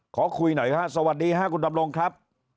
ขอคุยหน่อยฮะสวัสดีค่ะคุณดำรงครับ